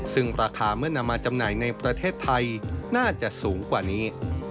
ซึ่งราคาเมื่อนำมาจำหน่ายในประเทศไทยน่าจะสูงกว่านี้